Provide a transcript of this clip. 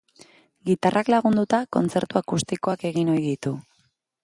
Gitarrak lagunduta, kontzertu akustikoak egin ohi ditu.